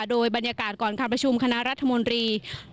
โดยบรรยากาศก่อนการประชุมคณะรัฐมนตรี